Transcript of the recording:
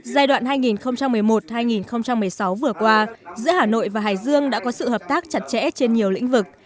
giai đoạn hai nghìn một mươi một hai nghìn một mươi sáu vừa qua giữa hà nội và hải dương đã có sự hợp tác chặt chẽ trên nhiều lĩnh vực